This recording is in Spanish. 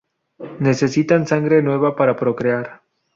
Necesitan sangre nueva para procrear.